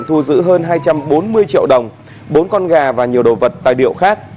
thu giữ hơn hai trăm bốn mươi triệu đồng bốn con gà và nhiều đồ vật tài liệu khác